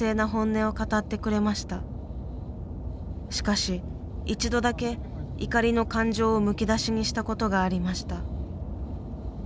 しかし一度だけ怒りの感情をむき出しにしたことがありました。